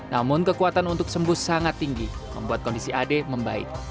namun kekuatan untuk sembuh sangat tinggi membuat kondisi ade membaik